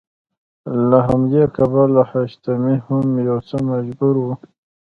له همدې کبله حشمتی هم يو څه مجبور و.